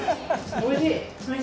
おいしい？